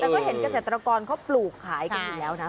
แต่ก็เห็นเกษตรกรเขาปลูกขายกันอยู่แล้วนะ